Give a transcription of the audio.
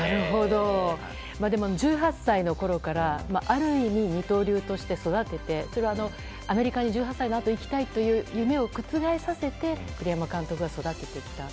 でも１８歳のころからある意味、二刀流として育てて、それはアメリカで１８歳に行きたいという夢を覆させて栗山監督が育ててきた。